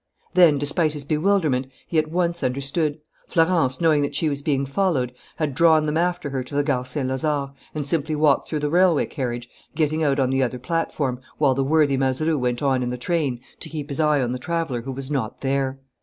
Then, despite his bewilderment, he at once understood. Florence, knowing that she was being followed, had drawn them after her to the Gare Saint Lazare and simply walked through the railway carriage, getting out on the other platform, while the worthy Mazeroux went on in the train to keep his eye on the traveller who was not there.